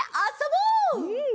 うん！